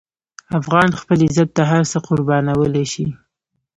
افغان خپل عزت ته هر څه قربانولی شي.